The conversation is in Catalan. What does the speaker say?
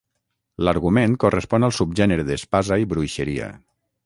L'argument correspon al subgènere d'espasa i bruixeria.